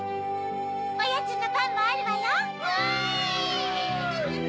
おやつのパンもあるわよ。わい！